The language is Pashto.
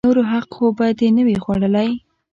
د نورو حق خو به دې نه وي خوړلئ!